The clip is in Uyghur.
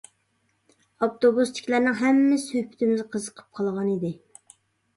ئاپتوبۇستىكىلەرنىڭ ھەممىسى سۆھبىتىمىزگە قىزىقىپ قالغان ئىدى.